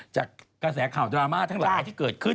จากกระแสข่าวดราม่าทั้งหลายที่เกิดขึ้น